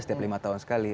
setiap lima tahun sekali